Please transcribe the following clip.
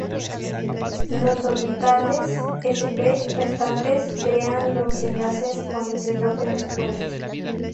Los orbitales sp restantes crean los enlaces con los hidrógenos puentes.